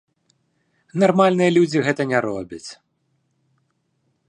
Нармальныя людзі гэта не робяць.